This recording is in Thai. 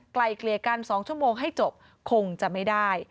ไกลเกลี่ยกัน๒ชั่วโมงให้จบคงจะไม่ได้